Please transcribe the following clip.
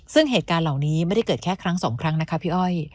ซึ่งเหตุการณ์เหล่านี้ไม่ได้เกิดแค่ครั้งสองครั้งนะคะพี่อ้อย